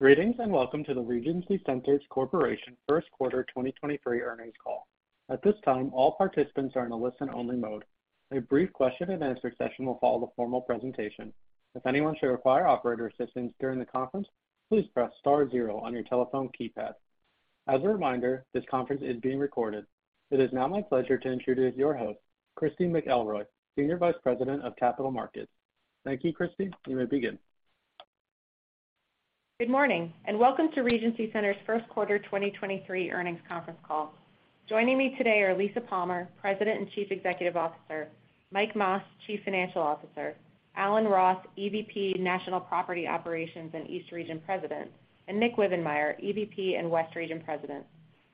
Greetings, welcome to the Regency Centers Corporation First Quarter 2023 Earnings Call. At this time, all participants are in a listen-only mode. A brief Q&A session will follow the formal presentation. If anyone should require operator assistance during the conference, please press star zero on your telephone keypad. As a reminder, this conference is being recorded. It is now my pleasure to introduce your host, Christy McElroy, Senior Vice President of Capital Markets. Thank you, Christy. You may begin. Good morning and welcome to Regency Centers' First Quarter 2023 Earnings Conference Call. Joining me today are Lisa Palmer, President and Chief Executive Officer, Mike Mas, Chief Financial Officer, Alan Roth, EVP, National Property Operations and East Region President, and Nick Wibbenmeyer, EVP and West Region President.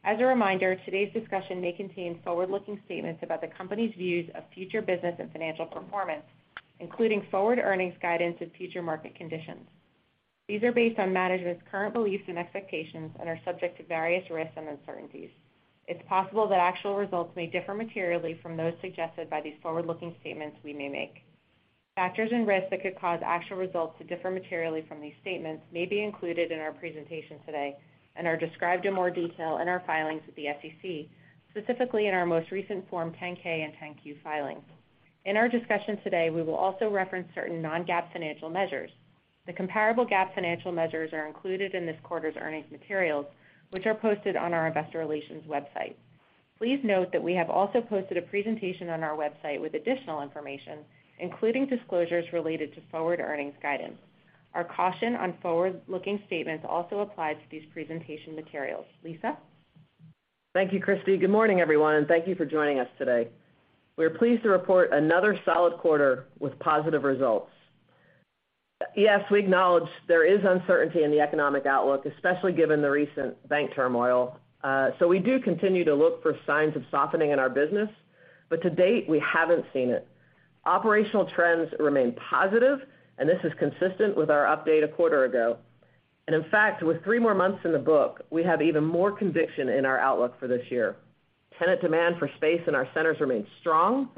As a reminder, today's discussion may contain forward-looking statements about the company's views of future business and financial performance, including forward earnings guidance and future market conditions. These are based on management's current beliefs and expectations and are subject to various risks and uncertainties. It's possible that actual results may differ materially from those suggested by these forward-looking statements we may make. Factors and risks that could cause actual results to differ materially from these statements may be included in our presentation today and are described in more detail in our filings with the SEC, specifically in our most recent Form 10-K and Form 10-Q filings. In our discussion today, we will also reference certain non-GAAP financial measures. The comparable GAAP financial measures are included in this quarter's earnings materials, which are posted on our investor relations website. Please note that we have also posted a presentation on our website with additional information, including disclosures related to forward earnings guidance. Our caution on forward-looking statements also applies to these presentation materials. Lisa? Thank you, Christy. Good morning, everyone, thank you for joining us today. We're pleased to report another solid quarter with positive results. Yes, we acknowledge there is uncertainty in the economic outlook, especially given the recent bank turmoil, we do continue to look for signs of softening in our business, to date, we haven't seen it. Operational trends remain positive, this is consistent with our update a quarter ago. In fact, with three more months in the book, we have even more conviction in our outlook for this year. Tenant demand for space in our centers remains strong,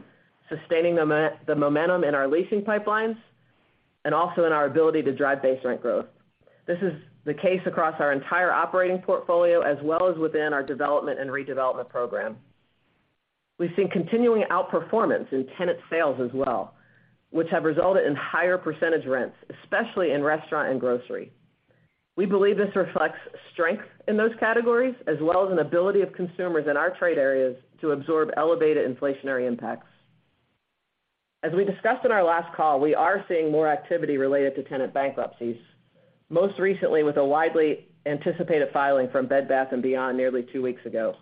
sustaining the momentum in our leasing pipelines and also in our ability to drive base rent growth. This is the case across our entire operating portfolio as well as within our development and redevelopment program. We've seen continuing outperformance in tenant sales as well, which have resulted in higher percentage rents, especially in restaurant and grocery. We believe this reflects strength in those categories, as well as an ability of consumers in our trade areas to absorb elevated inflationary impacts. As we discussed in our last call, we are seeing more activity related to tenant bankruptcies. Most recently with a widely anticipated filing from Bed Bath & Beyond nearly two weeks ago.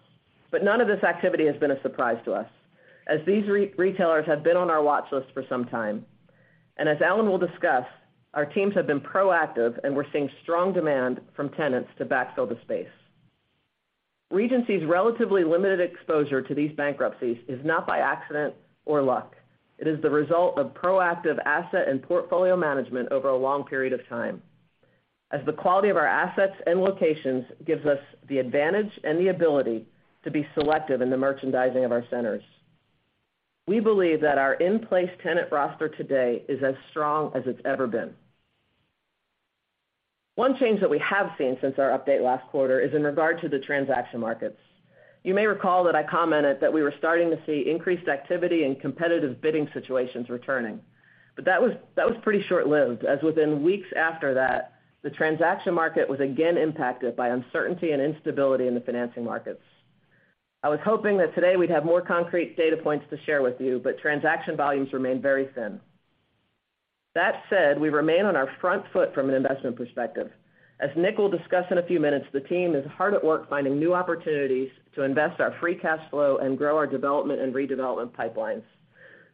None of this activity has been a surprise to us, as these re-retailers have been on our watch list for some time. As Alan Roth will discuss, our teams have been proactive, and we're seeing strong demand from tenants to backfill the space. Regency's relatively limited exposure to these bankruptcies is not by accident or luck. It is the result of proactive asset and portfolio management over a long period of time, as the quality of our assets and locations gives us the advantage and the ability to be selective in the merchandising of our centers. We believe that our in-place tenant roster today is as strong as it's ever been. One change that we have seen since our update last quarter is in regard to the transaction markets. You may recall that I commented that we were starting to see increased activity in competitive bidding situations returning, but that was pretty short-lived, as within weeks after that, the transaction market was again impacted by uncertainty and instability in the financing markets. I was hoping that today we'd have more concrete data points to share with you, but transaction volumes remain very thin. That said, we remain on our front foot from an investment perspective. As Nick will discuss in a few minutes, the team is hard at work finding new opportunities to invest our free cash flow and grow our development and redevelopment pipelines.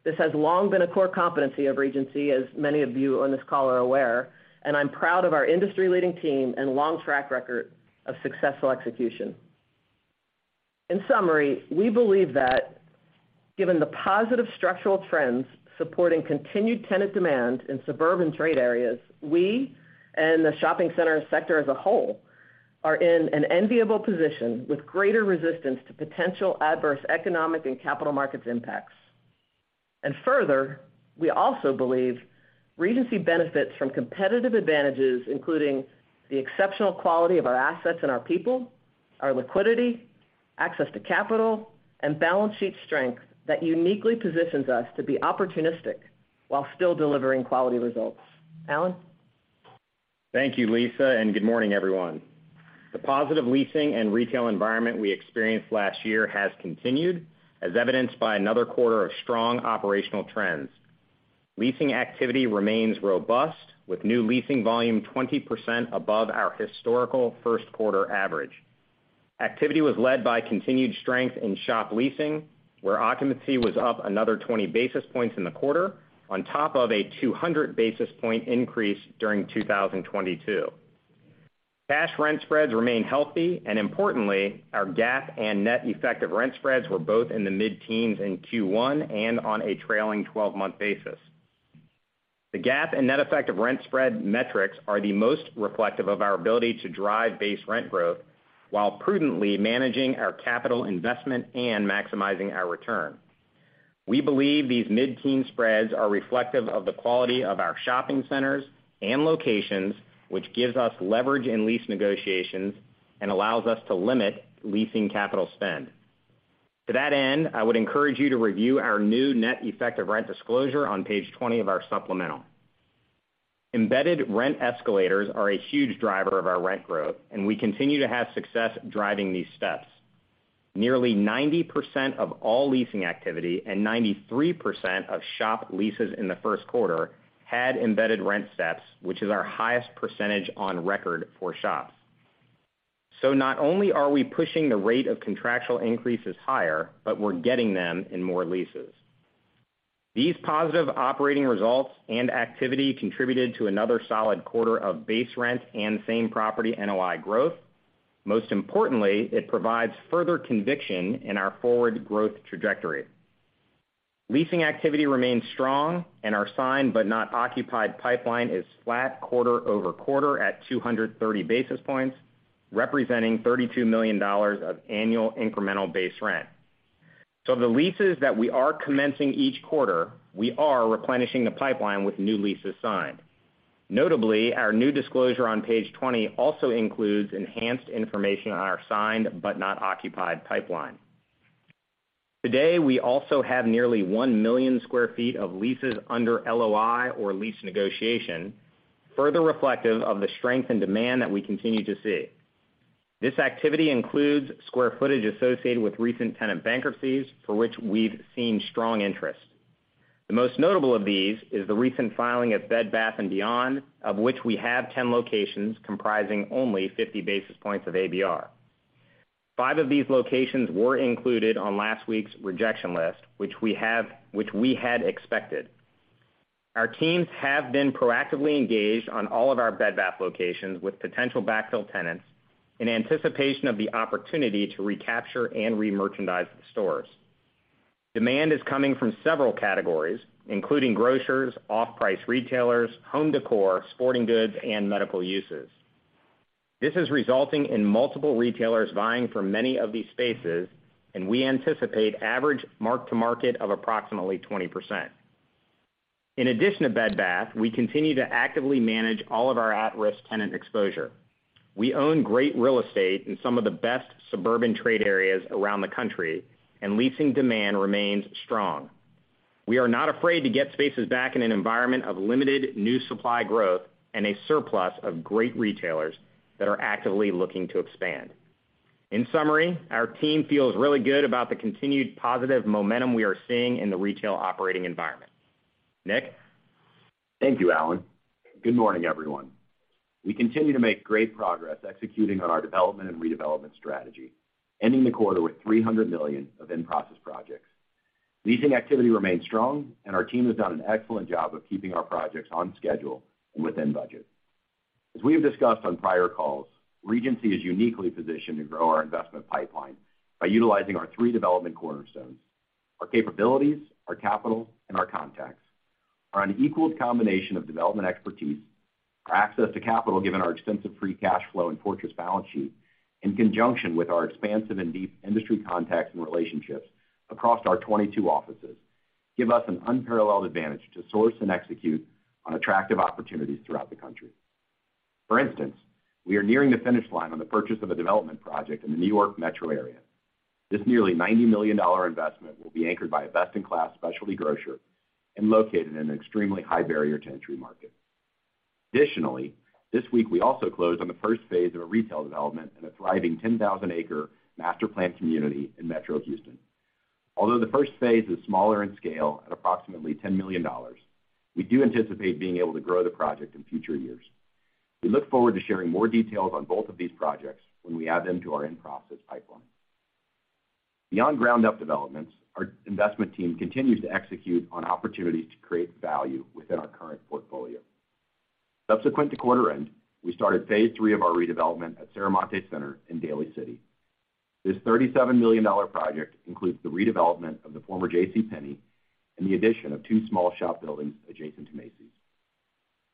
This has long been a core competency of Regency, as many of you on this call are aware, and I'm proud of our industry-leading team and long track record of successful execution. In summary, we believe that given the positive structural trends supporting continued tenant demand in suburban trade areas, we and the shopping center sector as a whole are in an enviable position with greater resistance to potential adverse economic and capital markets impacts. Further, we also believe Regency benefits from competitive advantages, including the exceptional quality of our assets and our people, our liquidity, access to capital, and balance sheet strength that uniquely positions us to be opportunistic while still delivering quality results. Alan? Thank you, Lisa. Good morning, everyone. The positive leasing and retail environment we experienced last year has continued, as evidenced by another quarter of strong operational trends. Leasing activity remains robust, with new leasing volume 20% above our historical Q1 average. Activity was led by continued strength in shop leasing, where occupancy was up another 20 basis points in the quarter on top of a 200 basis point increase during 2022. Cash rent spreads remain healthy. Importantly, our GAAP and net effective rent spreads were both in the mid-teens in Q1 and on a trailing twelve-month basis. The GAAP and net effective rent spread metrics are the most reflective of our ability to drive base rent growth while prudently managing our capital investment and maximizing our return. We believe these mid-teen spreads are reflective of the quality of our shopping centers and locations, which gives us leverage in lease negotiations and allows us to limit leasing capital spend. To that end, I would encourage you to review our new net effective rent disclosure on page 20 of our supplemental. Embedded rent escalators are a huge driver of our rent growth, we continue to have success driving these steps. Nearly 90% of all leasing activity and 93% of shop leases in the Q1 had embedded rent steps, which is our highest percentage on record for shops. Not only are we pushing the rate of contractual increases higher, but we're getting them in more leases. These positive operating results and activity contributed to another solid quarter of base rent and Same Property NOI growth. Most importantly, it provides further conviction in our forward growth trajectory. Leasing activity remains strong and our signed but not occupied pipeline is flat quarter-over-quarter at 230 basis points, representing $32 million of annual incremental base rent. The leases that we are commencing each quarter, we are replenishing the pipeline with new leases signed. Notably, our new disclosure on page 20 also includes enhanced information on our signed but not occupied pipeline. Today, we also have nearly 1 million sq ft of leases under LOI or lease negotiation, further reflective of the strength and demand that we continue to see. This activity includes square footage associated with recent tenant bankruptcies for which we've seen strong interest. The most notable of these is the recent filing of Bed Bath & Beyond, of which we have 10 locations comprising only 50 basis points of ABR. Five of these locations were included on last week's rejection list, which we had expected. Our teams have been proactively engaged on all of our Bed Bath locations with potential backfill tenants in anticipation of the opportunity to recapture and remerchandise the stores. Demand is coming from several categories, including grocers, off-price retailers, home decor, sporting goods, and medical uses. We anticipate average mark-to-market of approximately 20%. In addition to Bed Bath, we continue to actively manage all of our at-risk tenant exposure. We own great real estate in some of the best suburban trade areas around the country. Leasing demand remains strong. We are not afraid to get spaces back in an environment of limited new supply growth and a surplus of great retailers that are actively looking to expand. In summary, our team feels really good about the continued positive momentum we are seeing in the retail operating environment. Nick? Thank you, Alan. Good morning, everyone. We continue to make great progress executing on our development and redevelopment strategy, ending the quarter with $300 million of in-process projects. Leasing activity remains strong and our team has done an excellent job of keeping our projects on schedule and within budget. As we have discussed on prior calls, Regency is uniquely positioned to grow our investment pipeline by utilizing our three development cornerstones, our capabilities, our capital, and our contacts are an equal combination of development expertise. Our access to capital, given our extensive free cash flow and fortress balance sheet, in conjunction with our expansive and deep industry contacts and relationships across our 22 offices, give us an unparalleled advantage to source and execute on attractive opportunities throughout the country. For instance, we are nearing the finish line on the purchase of a development project in the New York metro area. This nearly $90 million investment will be anchored by a best-in-class specialty grocer and located in an extremely high barrier to entry market. Additionally, this week we also closed on the first phase of a retail development in a thriving 10,000 Acre master-planned community in Metro Houston. Although the first phase is smaller in scale at approximately $10 million, we do anticipate being able to grow the project in future years. We look forward to sharing more details on both of these projects when we add them to our in-process pipeline. Beyond ground-up developments, our investment team continues to execute on opportunities to create value within our current portfolio. Subsequent to quarter end, we started phase III of our redevelopment at Serramonte Center in Daly City. This $37 million project includes the redevelopment of the former JCPenney and the addition of two small shop buildings adjacent to Macy's.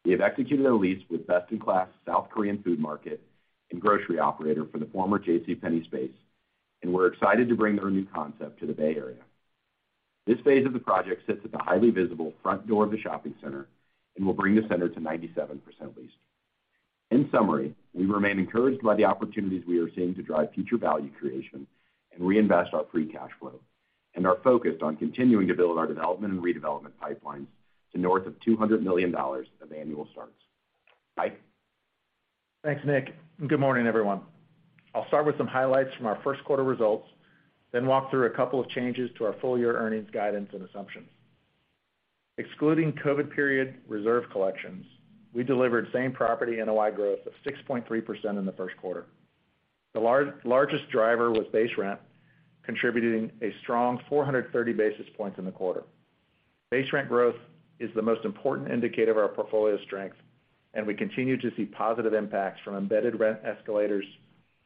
We have executed a lease with best-in-class South Korean food market and grocery operator for the former JCPenney space, and we're excited to bring their new concept to the Bay Area. This phase of the project sits at the highly visible front door of the shopping center and will bring the center to 97% leased. In summary, we remain encouraged by the opportunities we are seeing to drive future value creation and reinvest our free cash flow and are focused on continuing to build our development and redevelopment pipelines to north of $200 million of annual starts. Mike? Thanks, Nick. Good morning, everyone. I'll start with some highlights from our Q1 results, then walk through a couple of changes to our full year earnings guidance and assumptions. Excluding COVID period reserve collections, we delivered Same Property NOI growth of 6.3% in the Q1. The largest driver was base rent, contributing a strong 430 basis points in the quarter. Base rent growth is the most important indicator of our portfolio strength. We continue to see positive impacts from embedded rent escalators,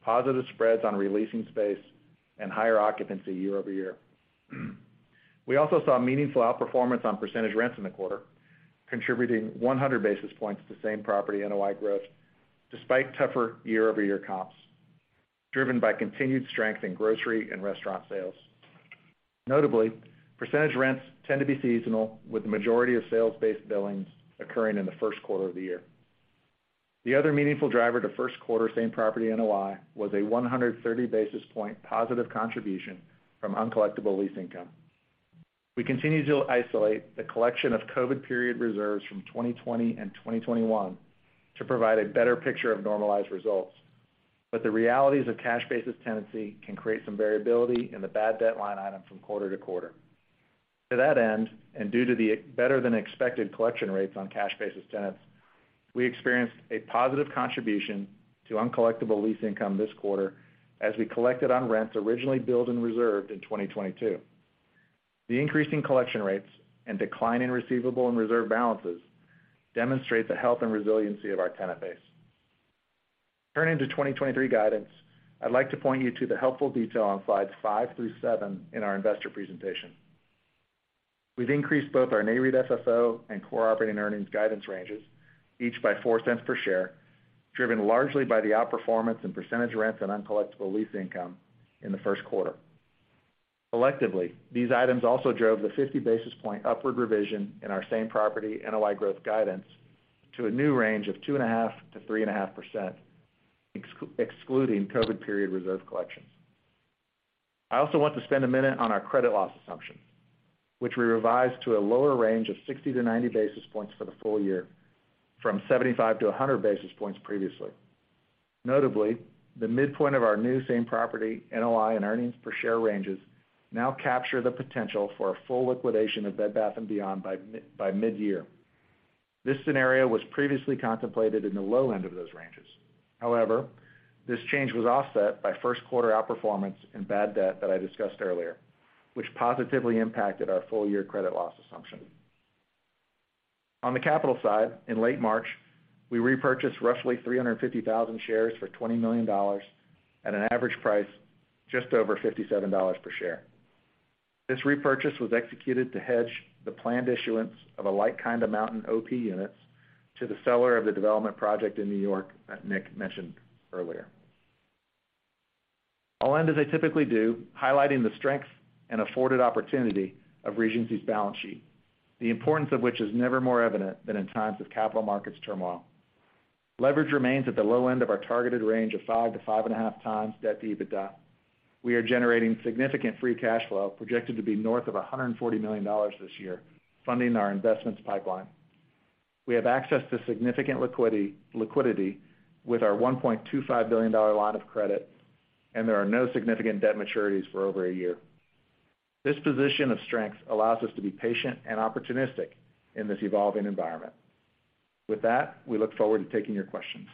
positive spreads on releasing space, and higher occupancy year-over-year. We also saw meaningful outperformance on percentage rents in the quarter, contributing 100 basis points to Same Property NOI growth despite tougher year-over-year comps. Driven by continued strength in grocery and restaurant sales. Notably, percentage rents tend to be seasonal, with the majority of sales-based billings occurring in the Q1 of the year. The other meaningful driver to Q1 Same Property NOI was a 130 basis point positive contribution from uncollectible lease income. We continue to isolate the collection of COVID period reserves from 2020 and 2021 to provide a better picture of normalized results. The realities of cash basis tenancy can create some variability in the bad debt line item from quarter to quarter. To that end, and due to the better than expected collection rates on cash basis tenants, we experienced a positive contribution to uncollectible lease income this quarter as we collected on rents originally billed and reserved in 2022. The increase in collection rates and decline in receivable and reserve balances demonstrate the health and resiliency of our tenant base. Turning to 2023 guidance, I'd like to point you to the helpful detail on slides 5 through 7 in our investor presentation. We've increased both our NAREIT FFO and Core Operating Earnings guidance ranges, each by $0.04 per share, driven largely by the outperformance in percentage rents and uncollectible lease income in the Q1. Collectively, these items also drove the 50 basis point upward revision in our Same Property NOI growth guidance to a new range of 2.5%-3.5%, excluding COVID period reserve collections. I also want to spend a minute on our credit loss assumption, which we revised to a lower range of 60 to 90 basis points for the full year, from 75 to 100 basis points previously. Notably, the midpoint of our new Same Property NOI and earnings per share ranges now capture the potential for a full liquidation of Bed Bath & Beyond by mid-year. This scenario was previously contemplated in the low end of those ranges. This change was offset by Q1 outperformance in bad debt that I discussed earlier, which positively impacted our full year credit loss assumption. On the capital side, in late March, we repurchased roughly 350,000 shares for $20 million at an average price just over $57 per share. This repurchase was executed to hedge the planned issuance of a like-kind amount in OP units to the seller of the development project in New York that Nick mentioned earlier. I'll end as I typically do, highlighting the strength and afforded opportunity of Regency's balance sheet, the importance of which is never more evident than in times of capital markets turmoil. Leverage remains at the low end of our targeted range of 5-5.5 times debt to EBITDA. We are generating significant free cash flow, projected to be north of $140 million this year, funding our investments pipeline. We have access to significant liquidity with our $1.25 billion line of credit, and there are no significant debt maturities for over a year. This position of strength allows us to be patient and opportunistic in this evolving environment. With that, we look forward to taking your questions.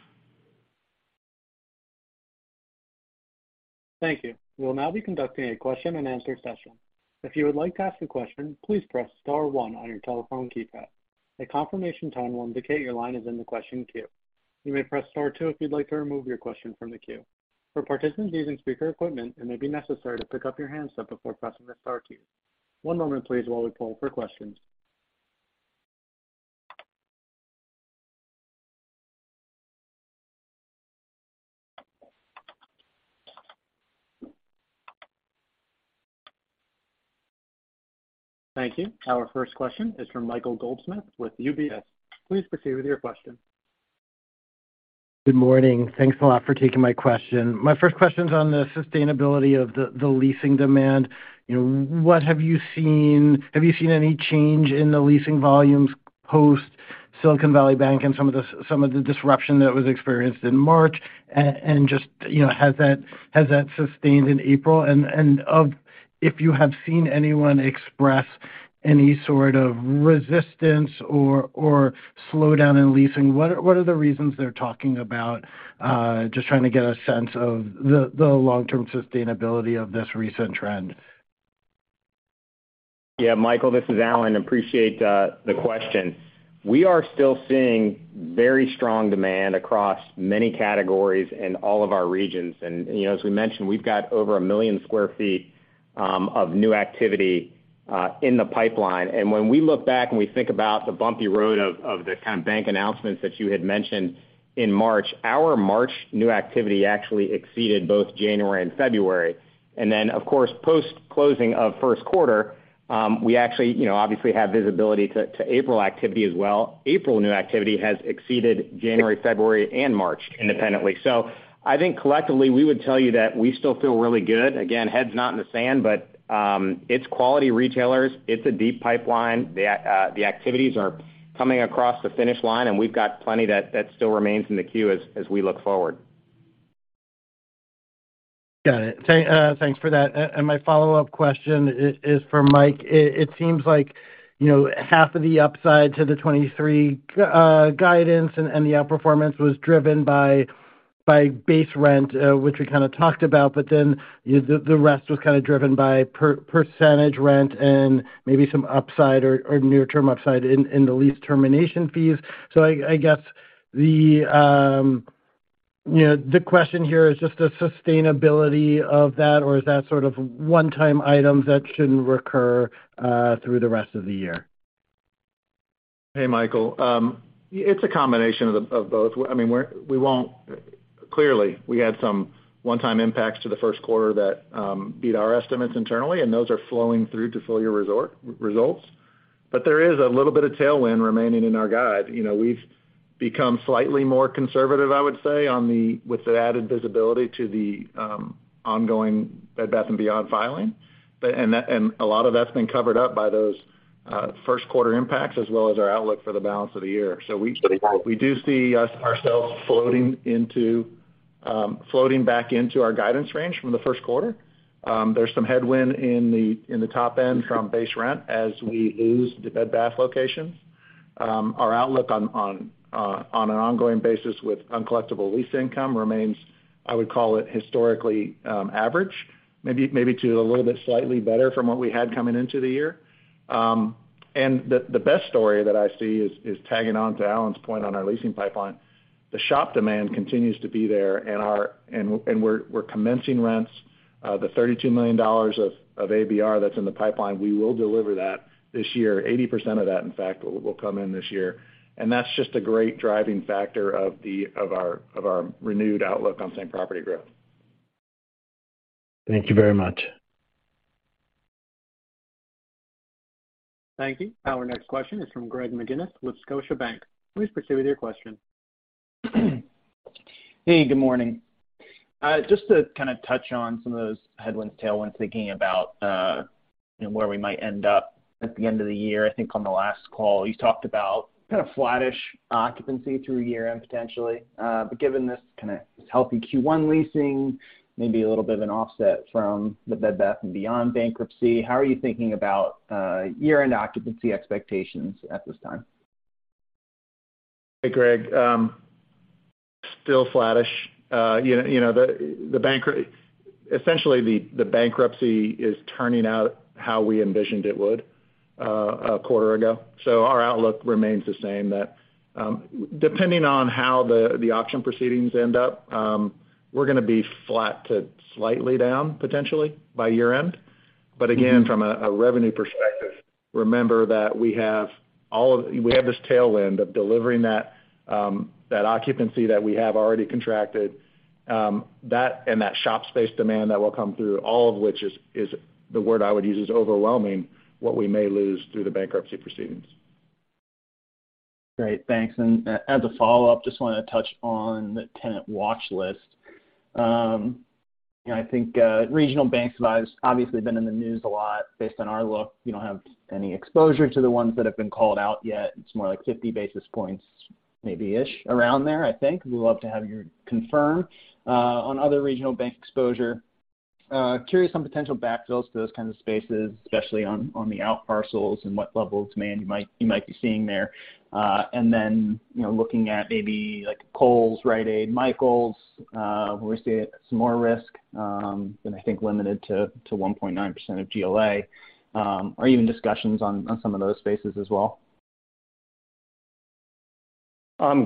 Thank you. We'll now be conducting a Q&A session. If you would like to ask a question, please press star one on your telephone keypad. A confirmation tone will indicate your line is in the question queue. You may press star two if you'd like to remove your question from the queue. For participants using speaker equipment, it may be necessary to pick up your handset before pressing the star key. One moment, please, while we poll for questions. Thank you. Our first question is from Michael Goldsmith with UBS. Please proceed with your question. Good morning. Thanks a lot for taking my question. My first question is on the sustainability of the leasing demand. You know, what have you seen? Have you seen any change in the leasing volumes post Silicon Valley Bank and some of the disruption that was experienced in March? Just, you know, has that sustained in April? If you have seen anyone express any sort of resistance or slowdown in leasing, what are the reasons they're talking about? Just trying to get a sense of the long-term sustainability of this recent trend. Yeah, Michael, this is Alan. Appreciate the question. We are still seeing very strong demand across many categories in all of our regions. You know, as we mentioned, we've got over 1 million sq ft of new activity in the pipeline. When we look back and we think about the bumpy road of the kind of bank announcements that you had mentioned in March, our March new activity actually exceeded both January and February. Then, of course, post-closing of Q1, we actually, you know, obviously have visibility to April activity as well. April new activity has exceeded January, February, and March independently. I think collectively, we would tell you that we still feel really good. Again, head's not in the sand, but it's quality retailers. It's a deep pipeline. The activities are coming across the finish line. We've got plenty that still remains in the queue as we look forward. Got it. Thanks for that. My follow-up question is for Mike Mas. It seems like, you know, half of the upside to the 23 guidance and the outperformance was driven by base rent, which we kind of talked about. The rest was kind of driven by percentage rent and maybe some upside or near-term upside in the lease termination fees. I guess the, you know, the question here is just the sustainability of that or is that sort of one-time items that shouldn't recur through the rest of the year? Hey, Michael. It's a combination of both. I mean, we won't... Clearly, we had some one-time impacts to the Q1 that beat our estimates internally, and those are flowing through to full year results. There is a little bit of tailwind remaining in our guide. You know, we've become slightly more conservative, I would say, on the with the added visibility to the ongoing Bed Bath & Beyond filing. A lot of that's been covered up by those Q1 floating back into our guidance range from the Q1. There's some headwind in the, in the top end from base rent as we lose the Bed Bath locations. Our outlook on an ongoing basis with uncollectible lease income remains, I would call it, historically average, maybe to a little bit slightly better from what we had coming into the year. The best story that I see is tagging on to Alan's point on our leasing pipeline. The shop demand continues to be there, and we're commencing rents. The $32 million of ABR that's in the pipeline, we will deliver that this year. 80% of that, in fact, will come in this year. That's just a great driving factor of our renewed outlook on same property growth. Thank you very much. Thank you. Our next question is from Greg McGinniss with Scotiabank. Please proceed with your question. Hey, good morning. Just to kind of touch on some of those headwinds, tailwinds, thinking about, you know, where we might end up at the end of the year. I think on the last call, you talked about kind of flattish occupancy through year-end, potentially. Given this kind of healthy Q1 leasing, maybe a little bit of an offset from the Bed Bath & Beyond bankruptcy, how are you thinking about year-end occupancy expectations at this time? Hey, Greg. Still flattish. You know, you know, the bankruptcy is turning out how we envisioned it would a quarter ago. Our outlook remains the same that depending on how the auction proceedings end up, we're gonna be flat to slightly down potentially by year-end. Again, from a revenue perspective, remember that we have this tailwind of delivering that occupancy that we have already contracted. That and that shop space demand that will come through, all of which is, the word I would use is overwhelming, what we may lose through the bankruptcy proceedings. Great. Thanks. As a follow-up, just want to touch on the tenant watch list. you know, I think regional banks have obviously been in the news a lot based on our look. You don't have any exposure to the ones that have been called out yet. It's more like 50 basis points, maybe-ish around there, I think. We'd love to have you confirm on other regional bank exposure. Curious on potential backfills to those kinds of spaces, especially on the out parcels and what level of demand you might be seeing there. you know, looking at maybe like Kohl's, Rite Aid, Michaels, where we see some more risk, and I think limited to 1.9% of GLA, or even discussions on some of those spaces as well.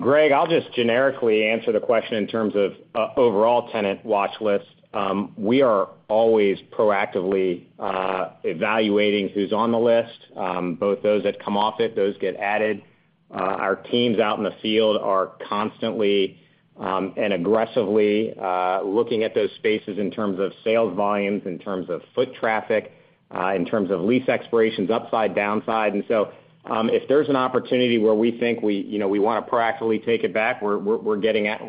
Greg, I'll just generically answer the question in terms of overall tenant watch list. We are always proactively evaluating who's on the list, both those that come off it, those get added. Our teams out in the field are constantly and aggressively looking at those spaces in terms of sales volumes, in terms of foot traffic, in terms of lease expirations, upside, downside. If there's an opportunity where we think we, you know, we wanna proactively take it back, we're getting out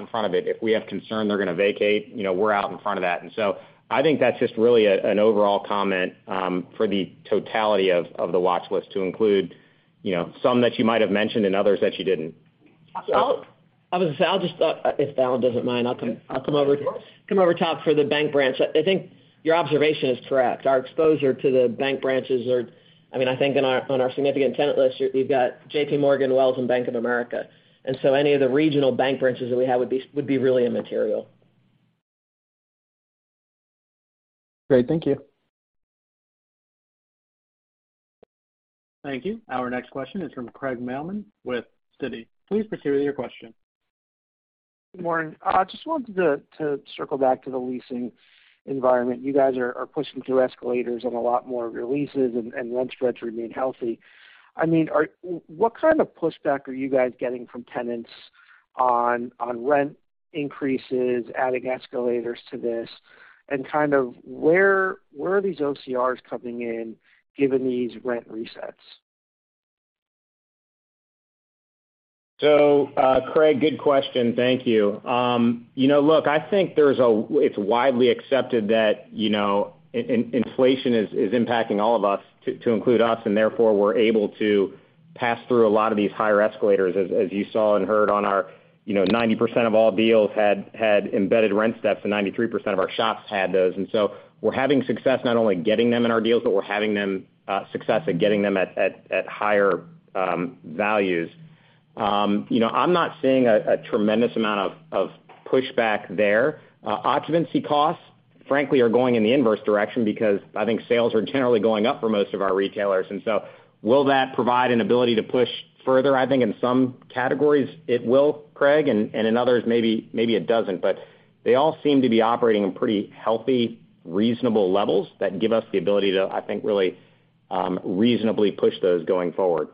in front of it. If we have concern they're gonna vacate, you know, we're out in front of that. I think that's just really an overall comment, for the totality of the watch list to include, you know, some that you might have mentioned and others that you didn't. I'll just if Alan doesn't mind, I'll come over top for the bank branch. I think your observation is correct. Our exposure to the bank branches are... I mean, I think on our significant tenant list, you've got JP Morgan, Wells, and Bank of America. Any of the regional bank branches that we have would be really immaterial. Great. Thank you. Thank you. Our next question is from Craig Mailman with Citi. Please proceed with your question. Good morning. Just wanted to circle back to the leasing environment. You guys are pushing through escalators on a lot more of your leases and rent spreads remain healthy. I mean, what kind of pushback are you guys getting from tenants on rent increases, adding escalators to this, and kind of where are these OCRs coming in given these rent resets? Craig, good question. Thank you. You know, look, I think it's widely accepted that, you know, inflation is impacting all of us to include us, and therefore, we're able to pass through a lot of these higher escalators. As you saw and heard on our, you know, 90% of all deals had embedded rent steps, and 93% of our shops had those. We're having success not only getting them in our deals, but we're having success at getting them at higher values. You know, I'm not seeing a tremendous amount of pushback there. Occupancy costs, frankly, are going in the inverse direction because I think sales are generally going up for most of our retailers. Will that provide an ability to push further? I think in some categories it will, Craig, and in others, maybe it doesn't. They all seem to be operating in pretty healthy, reasonable levels that give us the ability to, I think, really, reasonably push those going forward.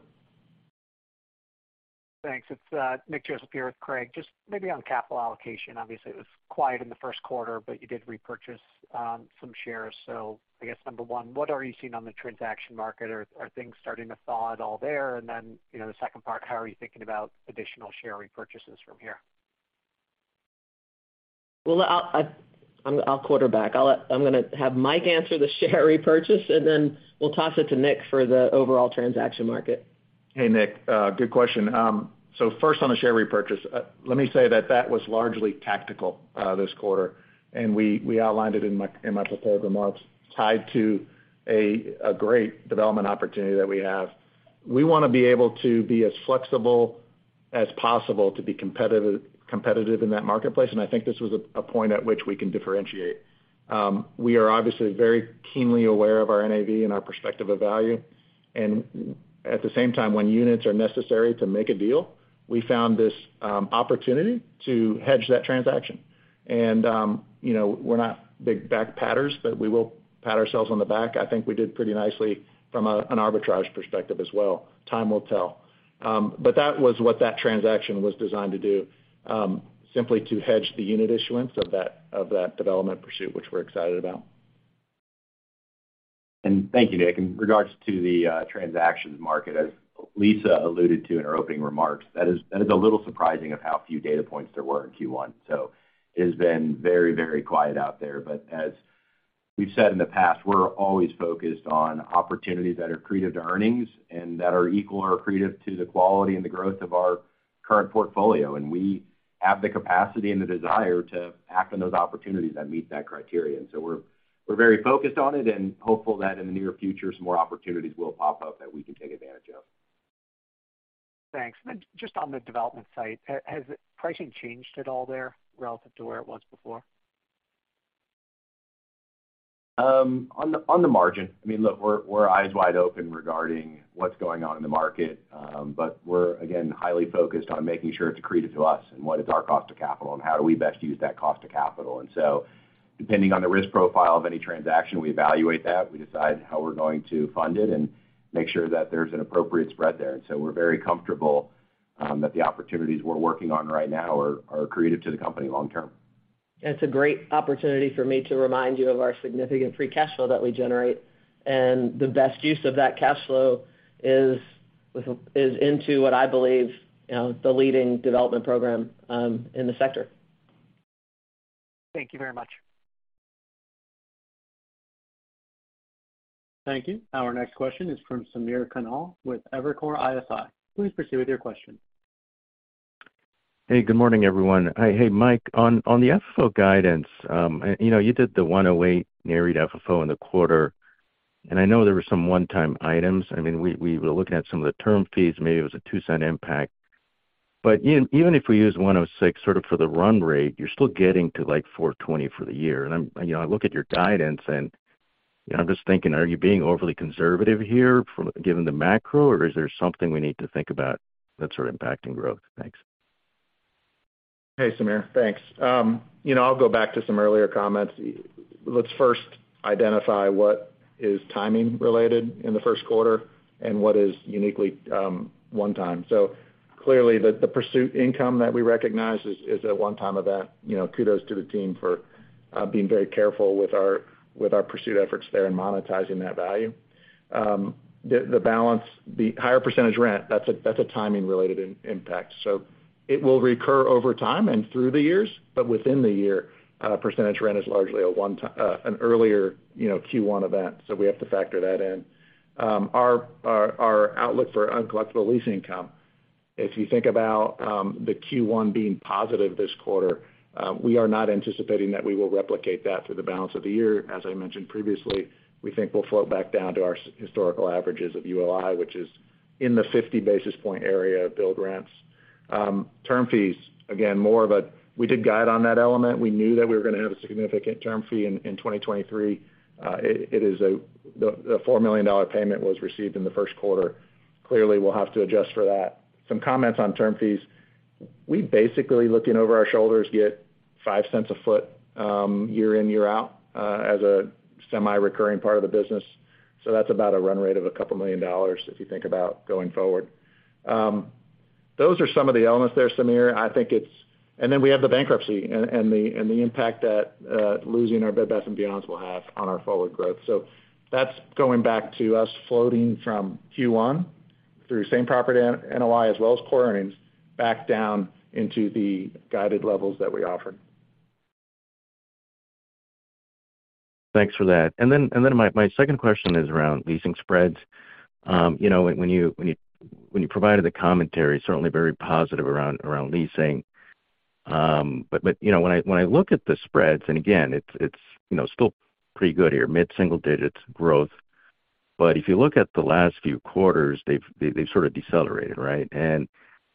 Thanks. It's Nick Joseph here with Craig. Just maybe on capital allocation. Obviously, it was quiet in the Q1, but you did repurchase some shares. I guess number one, what are you seeing on the transaction market? Are things starting to thaw at all there? Then, you know, the second part, how are you thinking about additional share repurchases from here? Well, I'll quarterback. I'm gonna have Mike answer the share repurchase, then we'll toss it to Nick for the overall transaction market. Hey, Nick, good question. First on the share repurchase, let me say that that was largely tactical this quarter, and we outlined it in my prepared remarks, tied to a great development opportunity that we have. We wanna be able to be as flexible as possible to be competitive in that marketplace, and I think this was a point at which we can differentiate. We are obviously very keenly aware of our NAV and our perspective of value. At the same time, when units are necessary to make a deal, we found this opportunity to hedge that transaction. You know, we're not big back patters, but we will pat ourselves on the back. I think we did pretty nicely from an arbitrage perspective as well. Time will tell, but that was what that transaction was designed to do, simply to hedge the unit issuance of that, of that development pursuit, which we're excited about. Thank you, Nick. In regards to the transactions market, as Lisa alluded to in our opening remarks, that is a little surprising of how few data points there were in Q1. It has been very, very quiet out there. As we've said in the past, we're always focused on opportunities that are accretive to earnings and that are equal or accretive to the quality and the growth of our current portfolio. We're very focused on it and hopeful that in the near future, some more opportunities will pop up that we can take advantage of. Thanks. Then just on the development site, has pricing changed at all there relative to where it was before? On the margin. I mean, look, we're eyes wide open regarding what's going on in the market, but we're, again, highly focused on making sure it's accretive to us and what is our cost of capital and how do we best use that cost of capital. Depending on the risk profile of any transaction, we evaluate that, we decide how we're going to fund it and make sure that there's an appropriate spread there. We're very comfortable that the opportunities we're working on right now are accretive to the company long term. It's a great opportunity for me to remind you of our significant free cash flow that we generate. The best use of that cash flow is into what I believe, you know, the leading development program in the sector. Thank you very much. Thank you. Our next question is from Samir Khanal with Evercore ISI. Please proceed with your question. Hey, good morning, everyone. Hey, Mike Mas, on the FFO guidance, you know, you did the $1.08 narrowed FFO in the quarter, I know there were some one-time items. I mean, we were looking at some of the term fees, maybe it was a $0.02 impact. Even if we use $1.06 sort of for the run rate, you're still getting to like $4.20 for the year. You know, I look at your guidance and, you know, I'm just thinking, are you being overly conservative here given the macro, or is there something we need to think about that's sort of impacting growth? Thanks. Hey, Samir, thanks. you know, I'll go back to some earlier comments. Let's first identify what is timing related in the Q1 and what is uniquely, one time. Clearly, the pursuit income that we recognize is a one-time event. you know, kudos to the team for being very careful with our pursuit efforts there in monetizing that value. The balance, the higher percentage rent, that's a timing related impact. It will recur over time and through the years, but within the year, percentage rent is largely an earlier, you know, Q1 event. We have to factor that in. Our outlook for uncollectible lease income, if you think about the Q1 being positive this quarter, we are not anticipating that we will replicate that through the balance of the year. As I mentioned previously, we think we'll float back down to our historical averages of ULI, which is in the 50 basis point area of billed rents. Term fees, again. More of it.. We did guide on that element. We knew that we were gonna have a significant term fee in 2023. The $4 million payment was received in the Q1. Clearly, we'll have to adjust for that. Some comments on term fees. We basically, looking over our shoulders, get five cents a foot, year in, year out, as a semi-recurring part of the business. That's about a run rate of a couple million dollars if you think about going forward. Those are some of the elements there, Samir. I think. Then we have the bankruptcy and the impact that losing our Bed Bath & Beyond will have on our forward growth. That's going back to us floating from Q1 through Same Property NOI as well as core earnings back down into the guided levels that we offered. Thanks for that. My second question is around leasing spreads. You know, when you provided the commentary, certainly very positive around leasing. You know, when I look at the spreads, and again, it's, you know, still pretty good here, mid-single digits growth. If you look at the last few quarters, they've sort of decelerated, right?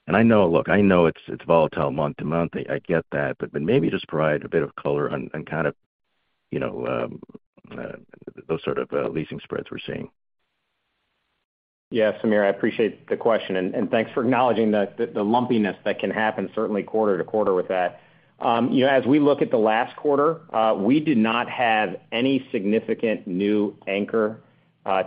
I know it's volatile month to month. I get that, but maybe just provide a bit of color on kind of, you know, those sort of leasing spreads we're seeing. Yeah, Samir, I appreciate the question, and thanks for acknowledging the lumpiness that can happen certainly quarter to quarter with that. You know, as we look at the last quarter, we did not have any significant new anchor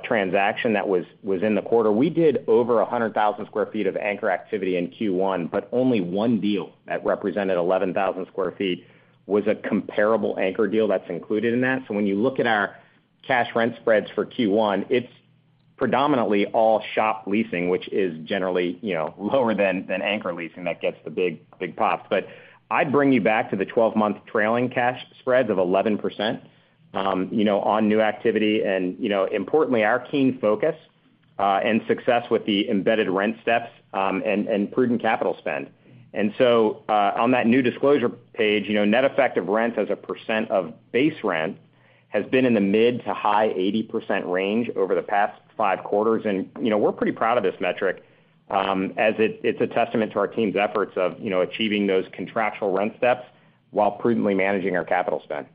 transaction that was in the quarter. We did over 100,000 square feet of anchor activity in Q1, but only 1 deal that represented 11,000 square feet was a comparable anchor deal that's included in that. When you look at our cash rent spreads for Q1, it's predominantly all shop leasing, which is generally, you know, lower than anchor leasing that gets the big pops. I'd bring you back to the 12-month trailing cash spreads of 11%, you know, on new activity, and, you know, importantly, our keen focus and success with the embedded rent steps and prudent capital spend. On that new disclosure page, you know, net effective rent as a percent of base rent has been in the mid to high 80% range over the past five quarters. You know, we're pretty proud of this metric, as it's a testament to our team's efforts of, you know, achieving those contractual rent steps while prudently managing our capital spend.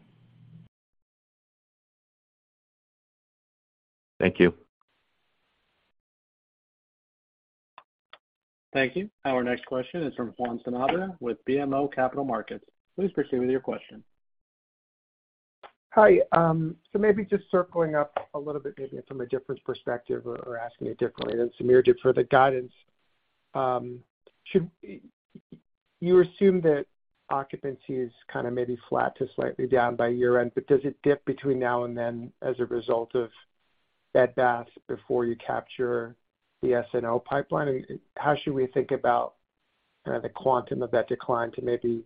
Thank you. Thank you. Our next question is from Juan Sanabria with BMO Capital Markets. Please proceed with your question. Hi. Maybe just circling up a little bit, maybe from a different perspective or asking it differently than Samir did for the guidance. You assume that occupancy is kinda maybe flat to slightly down by year-end, but does it dip between now and then as a result of Bed Bath before you capture the S&O pipeline? How should we think about the quantum of that decline to maybe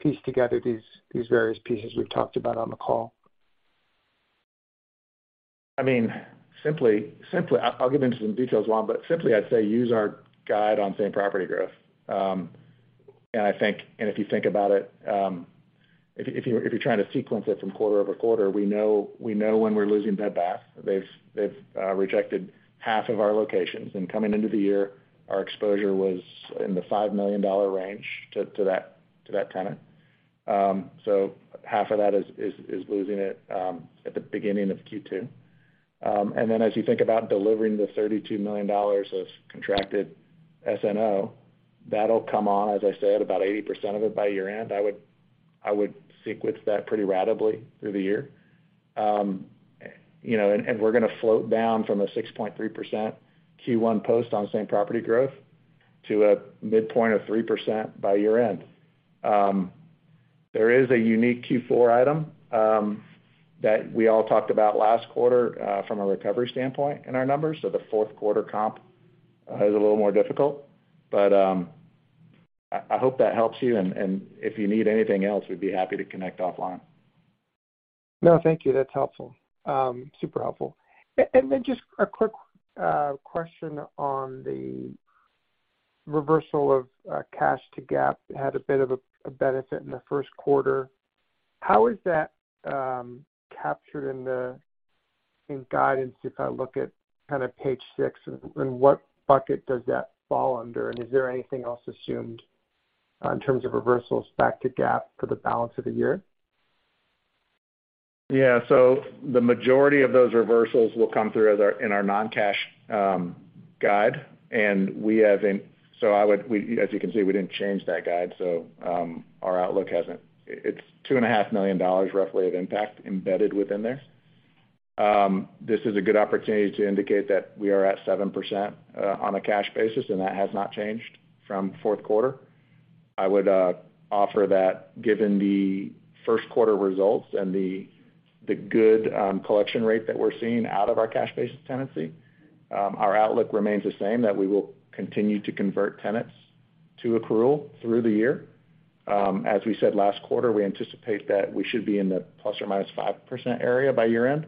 piece together these various pieces we've talked about on the call? I mean, simply, I'll get into some details, Juan, but simply, I'd say use our guide on same property growth. I think, if you think about it, if you're trying to sequence it from quarter-over-quarter, we know when we're losing Bed Bath. They've rejected half of our locations. Coming into the year, our exposure was in the $5 million range to that tenant. Half of that is losing it at the beginning of Q2. As you think about delivering the $32 million of contracted S&O, that'll come on, as I said, about 80% of it by year-end. I would sequence that pretty ratably through the year. You know, we're gonna float down from a 6.3% Q1 post on same property growth to a midpoint of 3% by year-end. There is a unique Q4 item that we all talked about last quarter from a recovery standpoint in our numbers. The Q4 comp is a little more difficult. I hope that helps you. If you need anything else, we'd be happy to connect offline. No, thank you. That's helpful. super helpful. Then just a quick question on the reversal of cash to GAAP. It had a bit of a benefit in the Q1. How is that captured in the guidance, if I look at kind of page six, and what bucket does that fall under? Is there anything else assumed in terms of reversals back to GAAP for the balance of the year? Yeah. The majority of those reversals will come through in our non-cash guide, and as you can see, we didn't change that guide, so our outlook hasn't... It's $2.5 million roughly of impact embedded within there. This is a good opportunity to indicate that we are at 7% on a cash basis, and that has not changed from Q4. I would offer that given the Q1 results and the good collection rate that we're seeing out of our cash basis tenancy, our outlook remains the same, that we will continue to convert tenants to accrual through the year. As we said last quarter, we anticipate that we should be in the ±5% area by year-end.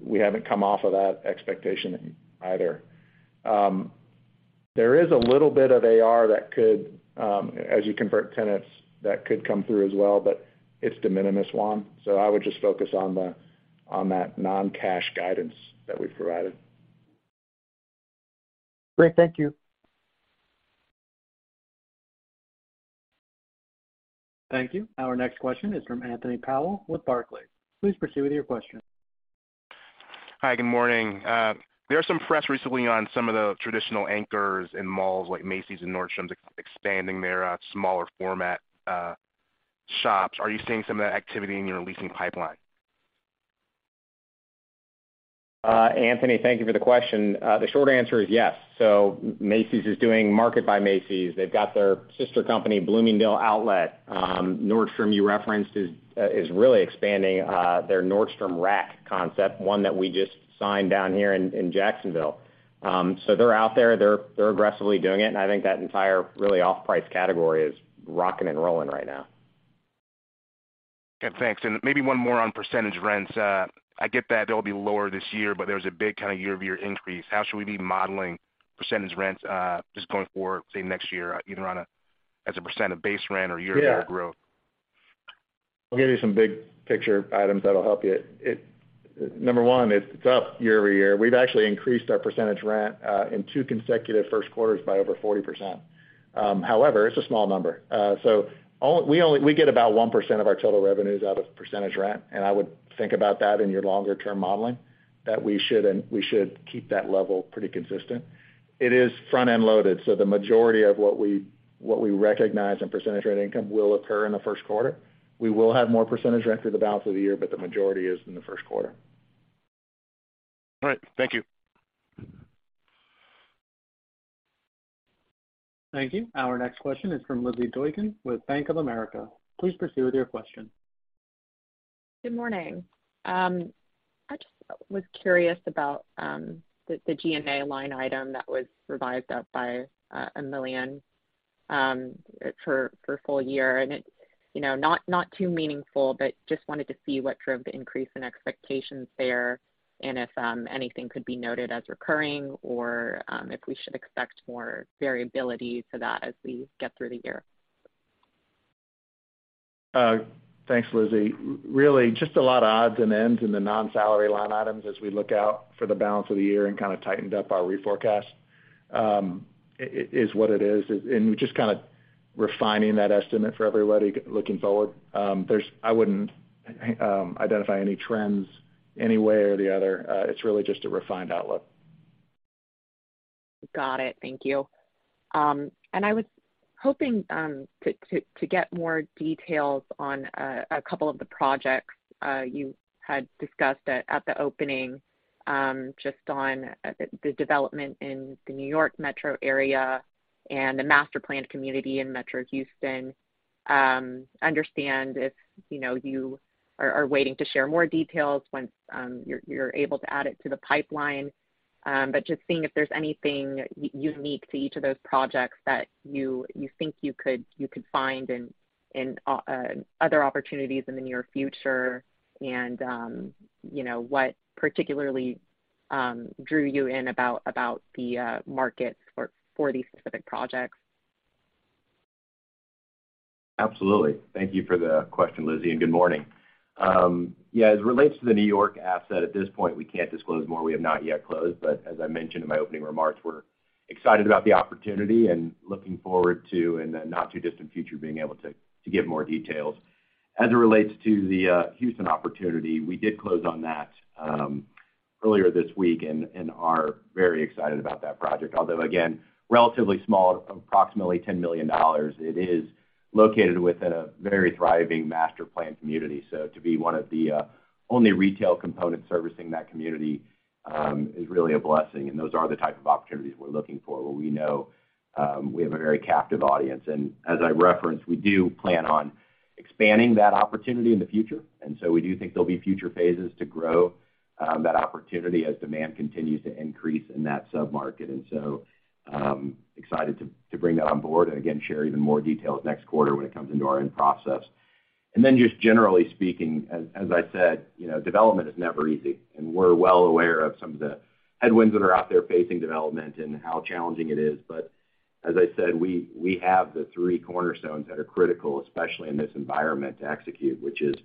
We haven't come off of that expectation either. There is a little bit of AR that could, as you convert tenants, that could come through as well. It's de minimis, Juan. I would just focus on that non-cash guidance that we've provided. Great. Thank you. Thank you. Our next question is from Anthony Powell with Barclays. Please proceed with your question. Hi, good morning. There are some press recently on some of the traditional anchors in malls like Macy's and Nordstrom's expanding their, smaller format, shops. Are you seeing some of that activity in your leasing pipeline? Anthony, thank you for the question. The short answer is yes. Macy's is doing Market by Macy's. They've got their sister company, Bloomingdale Outlet. Nordstrom, you referenced, is really expanding their Nordstrom Rack concept, one that we just signed down here in Jacksonville. They're out there. They're aggressively doing it, and I think that entire really off-price category is rocking and rolling right now. Okay, thanks. Maybe one more on percentage rents. I get that they'll be lower this year. There's a big kinda year-over-year increase. How should we be modeling percentage rents, just going forward, say, next year, either on a, as a % of base rent or year-over-year growth? Yeah. I'll give you some big picture items that'll help you. Number one is it's up year-over-year. We've actually increased our percentage rent in two consecutive first quarters by over 40%. It's a small number. We get about 1% of our total revenues out of percentage rent, and I would think about that in your longer term modeling. We should keep that level pretty consistent. It is front-end loaded, the majority of what we recognize in percentage rent income will occur in the Q1. We will have more percentage rent through the balance of the year, the majority is in the Q1. All right. Thank you. Thank you. Our next question is from Lizzy Doykan with Bank of America. Please proceed with your question. Good morning. I just was curious about the G&A line item that was revised up by $1 million for full year. It, you know, not too meaningful, but just wanted to see what drove the increase in expectations there and if anything could be noted as recurring or if we should expect more variability to that as we get through the year. thanks, Lizzy. Really, just a lot of odds and ends in the non-salary line items as we look out for the balance of the year and kinda tightened up our reforecast, is what it is. We're just kinda refining that estimate for everybody looking forward. There's I wouldn't identify any trends any way or the other. It's really just a refined outlook. Got it. Thank you. I was hoping to get more details on a couple of the projects you had discussed at the opening, just on the development in the New York Metro area and the master planned community in Metro Houston. Understand if, you know, you are waiting to share more details once you're able to add it to the pipeline. Just seeing if there's anything unique to each of those projects that you think you could find in other opportunities in the near future and, you know, what particularly drew you in about the markets for these specific projects. Absolutely. Thank you for the question, Lizzy, good morning. Yeah, as it relates to the New York asset, at this point, we can't disclose more. As I mentioned in my opening remarks, we're excited about the opportunity and looking forward to, in the not too distant future, being able to give more details. As it relates to the Houston opportunity, we did close on that earlier this week and are very excited about that project. Although again, relatively small, approximately $10 million. It is located within a very thriving master planned community. To be one of the only retail components servicing that community is really a blessing. Those are the type of opportunities we're looking for, where we know we have a very captive audience. As I referenced, we do plan on expanding that opportunity in the future. We do think there'll be future phases to grow that opportunity as demand continues to increase in that sub-market. Excited to bring that on board and again, share even more details next quarter when it comes into our end process. Just generally speaking, as I said, you know, development is never easy, and we're well aware of some of the headwinds that are out there facing development and how challenging it is. As I said, we have the three cornerstones that are critical, especially in this environment, to execute, which is